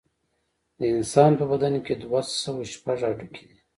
د انسان په بدن کې دوه سوه شپږ هډوکي دي